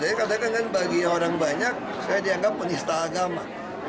jadi kadang kadang kan bagi orang banyak saya dianggap penista agama